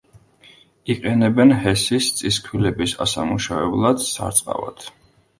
იყენებენ ჰესის, წისქვილების ასამუშავებლად, სარწყავად.